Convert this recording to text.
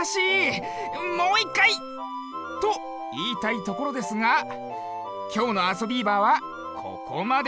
もういっかい！といいたいところですがきょうの「あそビーバー」はここまで。